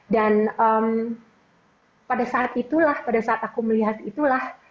dan pada saat itulah pada saat aku melihat itulah